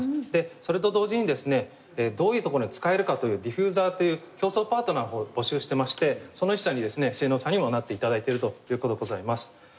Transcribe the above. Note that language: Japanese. それと同時にですねどういうところに使えるかというディフューザーという共創パートナーを募集してましてその１社にセイノーさんもなっていただいているということがございます。